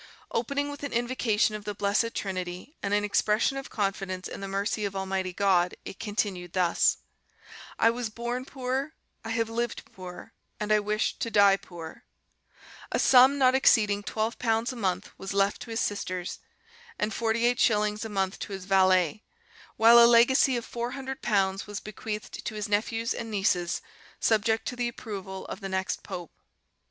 Opening with an invocation of the Blessed Trinity and an expression of confidence in the mercy of Almighty God, it continued thus: "I was born poor, I have lived poor, and I wish to die poor." A sum not exceeding £12 a month was left to his sisters, and 48s. a month to his valet, while a legacy of £400 was bequeathed to his nephews and nieces, subject to the approval of the next pope.